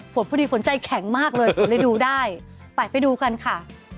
พอดีฝนใจแข็งมากเลยฝนเลยดูได้ไปไปดูกันค่ะ